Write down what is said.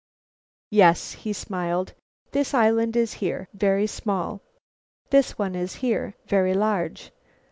"Yes," he smiled, "this island is here, very small. This one is here, very large."